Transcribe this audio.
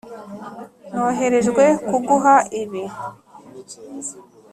noherejwe kuguha ibi.